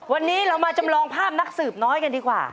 วันนี้เรามาจำลองภาพนักสืบน้อยกันดีกว่า